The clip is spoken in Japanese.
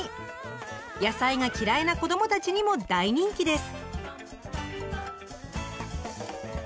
野菜が嫌いな子どもたちにも大人気です。